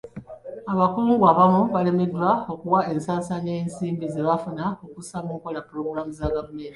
Abakungu abamu balemereddwa okuwa ensaasaanya y'ensimbi ze baafuna okussa mu nkola pulogulaamu za gavumenti.